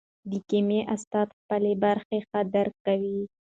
د کیمیا استاد خپله برخه ښه درک کوي.